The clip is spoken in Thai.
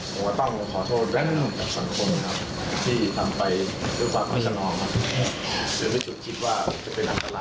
ผมต้องขอโทษแรงกับสังคมครับที่ทำไปด้วยความคุ้นขนองครับ